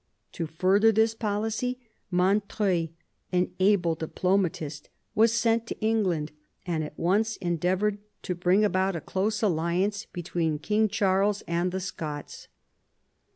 To further this policy Montreuil, an able diplomatist, was sent to England, and at once en deavoured to bring about a close alliance between King Charles and the Scots.